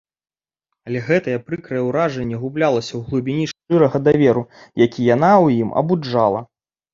Але гэтае прыкрае ўражанне гублялася ў глыбіні шчырага даверу, які яна ў ім абуджала.